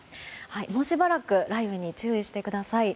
もうしばらく雷雨に注意してください。